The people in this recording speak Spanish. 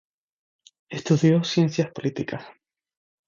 Estudió Ciencias Políticas.